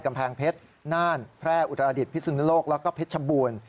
กำแพงเพชรน่านแพร่อุตราดิษฐพิสุนโลกแล้วก็เพชรบูรณ์